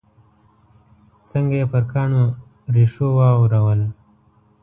څنګه یې پر کاڼو ریشو واورول.